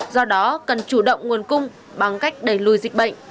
do đó cần chủ động nguồn cung bằng cách đẩy lùi dịch bệnh